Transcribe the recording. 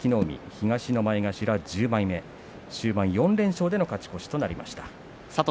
東の前頭１０枚目終盤４連勝で勝ち越しとなりました。